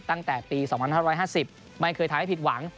ตั้งแต่ปี๒๕๕๐ไม่เคยทำให้ผิดหวัง